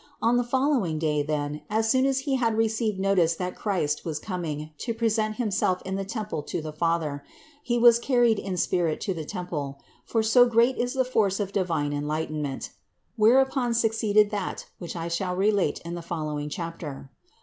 On the following day then, as soon as he had received notice that Christ was coming to present Himself in the temple to the Father, he was carried in spirit to the temple, for so great is the force of divine enlightenment. Whereupon succeeded that, which I shall relate in the following chap ter.